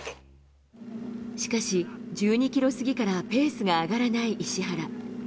しかし、１２キロ過ぎからペースが上がらない石原。